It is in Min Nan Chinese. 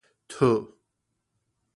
揬